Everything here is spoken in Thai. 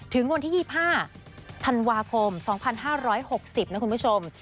ถึงวันที่๒๕ธันวาคม๒๕๖๐นะคุณผู้ชม